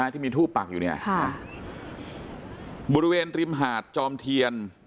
ที่มีทูปปักอยู่เนี่ยค่ะบริเวณริมหาดจอมเทียน